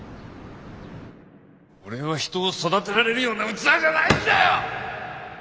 俺は人を育てられるような器じゃないんだよ！